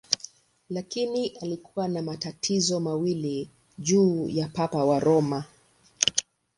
Lakini alikuwa na matatizo mawili juu ya Papa wa Roma.